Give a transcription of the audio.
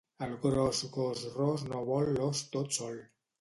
El gros gos ros no vol l'os tot sol.